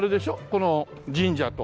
この神社と。